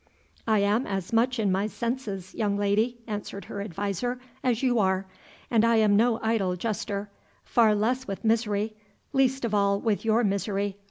"I am as much in my senses, young lady," answered her adviser, "as you are; and I am no idle jester, far less with misery, least of all with your misery.